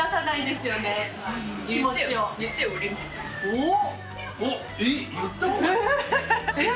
おっ！